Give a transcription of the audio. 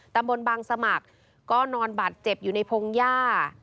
ตำบลบางสมัครก็นอนบาดเจ็บอยู่ในพงหญ้า